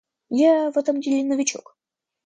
Я в этом деле новичок.